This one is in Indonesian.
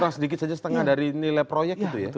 kurang sedikit saja setengah dari nilai proyek itu ya